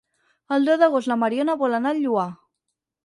El deu d'agost na Mariona vol anar al Lloar.